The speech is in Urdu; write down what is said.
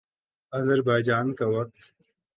آذربائیجان کا وقت